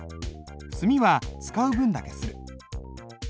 墨は使う分だけする。